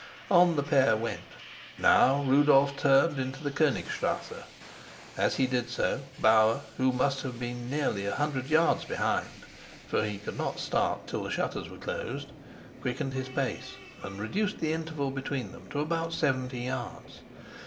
On the pair went. Now Rudolf turned into the Konigstrasse. As he did so, Bauer, who must have been nearly a hundred yards behind (for he could not start till the shutters were closed) quickened his pace and reduced the interval between them to about seventy yards.